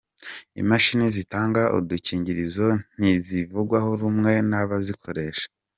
Imashini zitanga udukingirizo ntizivugwaho rumwe n’abazikoresha